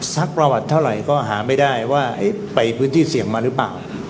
สักประวัติเท่าไหร่ก็หาไม่ได้ว่าไปพื้นที่เสี่ยงมาหรือเปล่า